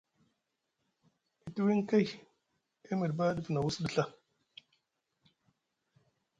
E tuwiŋ kay E miɗi ɓa ɗif na wus ɗa Ɵa.